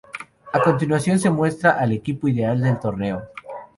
A continuación se muestra al "Equipo ideal" del torneo.